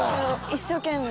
一生懸命。